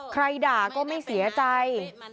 ด่าก็ไม่เสียใจ